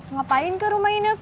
ngapain ke rumah ine kek